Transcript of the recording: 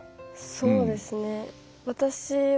そうですね。